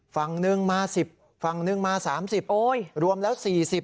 ฝั่งหนึ่งมา๑๐ฝั่งนึงมา๓๐รวมแล้ว๔๐